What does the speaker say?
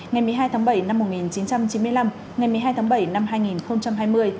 ngày một mươi hai tháng bảy năm một nghìn chín trăm chín mươi năm ngày một mươi hai tháng bảy năm hai nghìn hai mươi